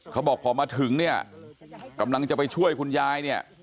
เขาบอกพอมาถึงเนี่ยกำลังจะไปช่วยคุณยายเนี่ย